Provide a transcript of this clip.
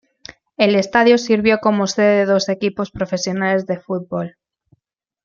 El estadio sirvió como sede de dos equipos profesionales de fútbol.